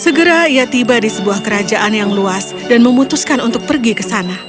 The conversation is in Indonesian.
segera ia tiba di sebuah kerajaan yang luas dan memutuskan untuk pergi ke sana